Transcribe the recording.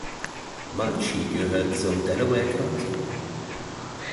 Muncie gehört zum Delaware County.